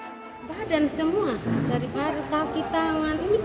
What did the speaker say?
dari kaki tangan ini badan sampai jarum putih putih